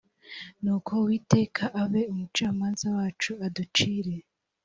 nuko uwiteka abe umucamanza wacu aducire